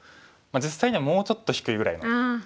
実際にはもうちょっと低いぐらいな。